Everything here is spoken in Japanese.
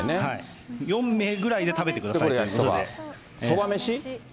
４名ぐらいで食べてくださいといそばめし？